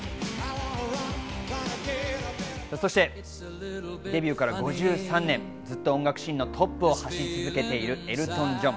そしてデビューから５３年、ずっと音楽シーンのトップを走り続けているエルトン・ジョン。